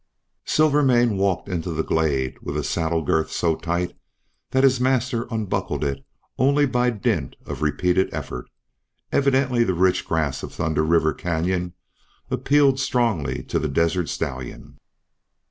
Silvermane walked into the glade with a saddle girth so tight that his master unbuckled it only by dint of repeated effort. Evidently the rich grass of Thunder River Canyon appealed strongly to the desert stallion.